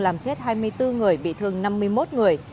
làm chết hai mươi bốn người bị thương năm mươi một người